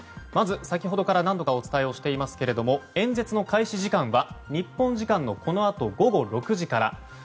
まず、先ほどから何度かお伝えしていますが演説の開始時間は日本時間のこのあと午後６時から。